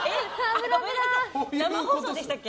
生放送でしたっけ？